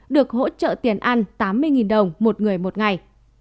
được hỗ trợ tiền ăn tám mươi đồng một người một ngày